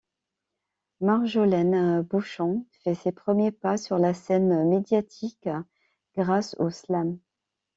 Marjolaine Beauchamp fait ses premiers pas sur la scène médiatique grâce au slam.